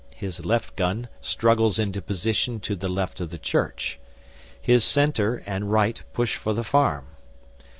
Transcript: His left gun struggles into position to the left of the church, his centre and right push for the farm.